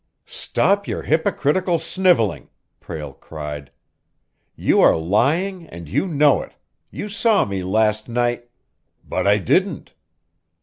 "Stop your hypocritical sniveling!" Prale cried. "You are lying and you know it! You saw me last night " "But I didn't!"